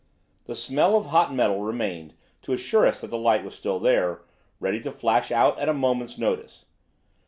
The smell of hot metal remained to assure us that the light was still there, ready to flash out at a moment's notice.